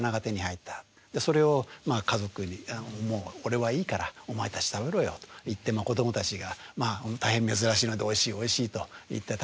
それを家族に「俺はいいからお前たち食べろよ」と言って子どもたちが大変珍しいので「おいしいおいしい」と言って食べる。